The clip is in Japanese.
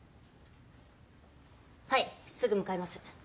はいすぐ向かいます。